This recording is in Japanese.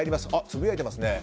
つぶやいてますね。